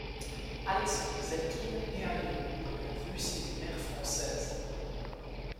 Alexandre Zelkine naît à Lyon d’un père russe et d’une mère française.